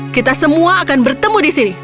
kita semua akan bertemu di sini